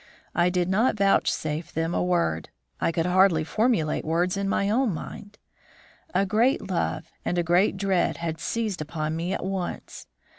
I did not vouchsafe them a word. I could hardly formulate words in my own mind. A great love and a great dread had seized upon me at once.